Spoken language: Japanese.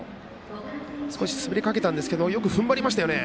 少し滑りかけたんですけどふんばりましたよね。